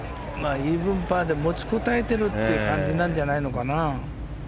イーブンパーで持ちこたえてるって感じなんじゃないのかな。